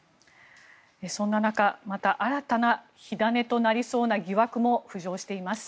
そんな中また新たな火種となりそうな疑惑も浮上しています。